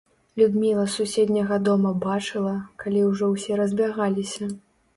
Людміла з суседняга дома бачыла, калі ўжо ўсе разбягаліся.